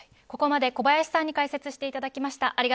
ここまで小林さんに解説していただきました。